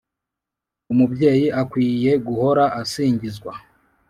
umubyeyi akwiye guhora asingizwa